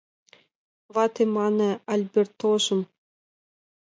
Вате мане: “Альбертожым